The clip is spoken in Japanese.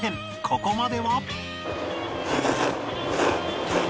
ここまでは